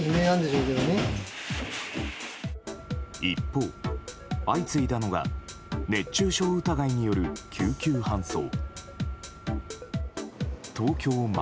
一方、相次いだのが熱中症疑いによる救急搬送。